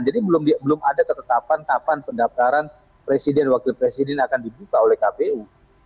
belum ada ketetapan kapan pendaftaran presiden wakil presiden akan dibuka oleh kpu